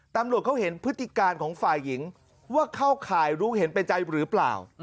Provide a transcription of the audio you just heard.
ตำรวจเขาเห็นพฤติการของฝ่ายหญิงว่าเข้าข่ายรู้เห็นเป็นใจหรือเปล่า